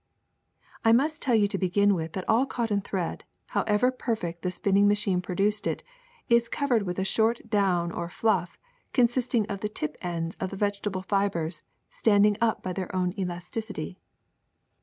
I must tell you to begin with that all cotton thread, however perfect the spinning machine producing it, is covered with a short down or fluff consisting of the tip ends of the vegetable fibers standing up by their own elasticity.